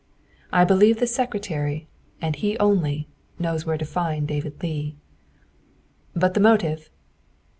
I believe the Secretary, and he only, knows where to find David Leigh." " But the motive?"